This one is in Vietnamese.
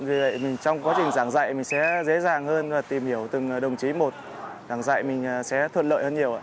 vì vậy trong quá trình giảng dạy mình sẽ dễ dàng hơn và tìm hiểu từng đồng chí một giảng dạy mình sẽ thuận lợi hơn nhiều ạ